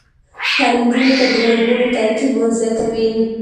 تعلیم نجونو ته د رنګونو ترکیب ور زده کوي.